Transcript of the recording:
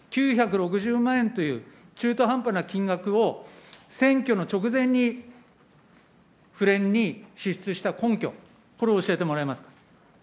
９６０万円という中途半端な金額を選挙の直前に支出した根拠、これを教えてもらえますか？